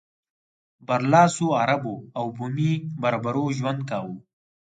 برلاسو عربو او بومي بربرو ژوند کاوه.